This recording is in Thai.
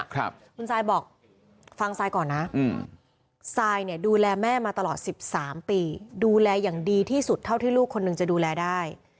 คุณซายบอกฟังซายก่อนนะซายเนี่ยดูแลแม่มาตลอดสิบสามปีดูแลอย่างดีที่สุดเท่าที่ลูกคนหนึ่งจะดูแลได้